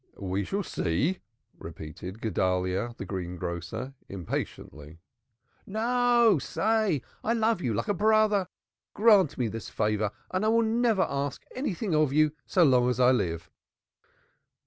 "We shall see," repeated Guedalyah the greengrocer, impatiently. "No, say! I love you like a brother. Grant me this favor and I will never ask anything of you so long as I live."